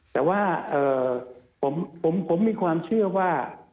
แต่ว่าผมมีความเชื่อว่า